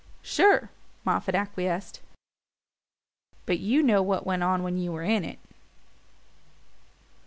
"Sure," Moffatt acquiesced; "but you know what went on when you were in it."